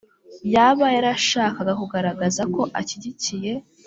yaba yarashakaga kugaragaza ko ashyigikiye